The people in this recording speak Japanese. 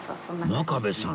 真壁さん